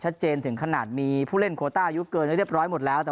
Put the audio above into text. ชัดเจนถึงขนาดมีผู้เล่นโคตรอายุเกินเรียบร้อยหมดแล้วแต่